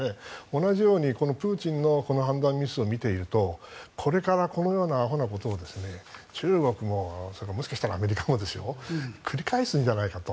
同じようにプーチンの判断ミスを見ているとこれからこのようなあほなことを中国も、それからもしかしたらアメリカもですよ繰り返すんじゃないかと。